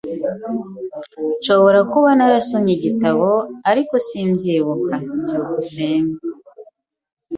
Nshobora kuba narasomye igitabo, ariko simbyibuka. byukusenge